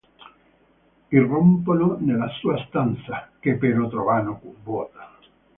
Irrompono nella sua stanza, che però trovano vuota.